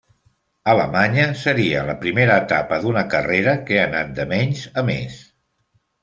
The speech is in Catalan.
Alemanya seria la primera etapa d'una carrera que ha anat de menys a més.